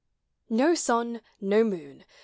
No sun — no moon !